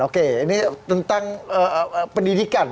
oke ini tentang pendidikan